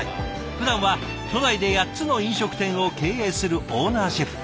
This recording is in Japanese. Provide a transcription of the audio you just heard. ふだんは都内で８つの飲食店を経営するオーナーシェフ。